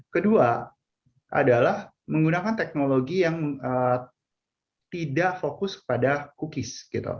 kedua adalah menggunakan teknologi yang tidak fokus pada cookies